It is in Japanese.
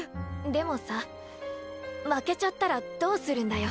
でもさ負けちゃったらどうするんだよ？